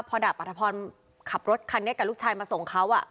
พอดาบอัธพรขับรถคันนี้กับลูกชายมาส่งเขา